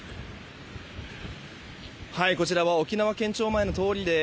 こちらは沖縄県庁前の通りです。